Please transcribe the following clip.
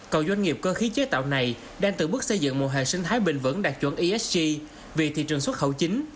cầu doanh nghiệp cơ khí chế tạo này đang tự bước xây dựng một hệ sinh thái bình vẩn đạt chuẩn esg vì thị trường xuất khẩu chính